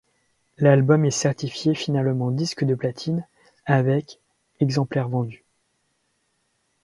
L'album est certifié finalement disque de platine avec exemplaires vendus.